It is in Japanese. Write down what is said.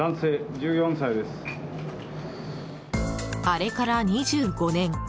あれから２５年。